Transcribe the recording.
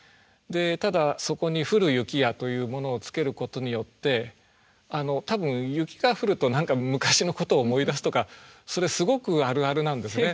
ただそこに「降る雪や」というものをつけることによって多分雪が降ると何か昔のことを思い出すとかそれすごくあるあるなんですね。